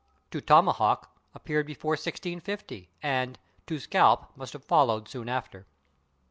/To tomahawk/ appeared before 1650, and /to scalp/ must have followed soon after.